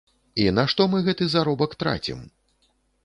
І на што мы гэты заробак трацім?